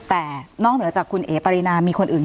แต่นอกเหนือจากคุณเอ๋ปรินามีคนอื่น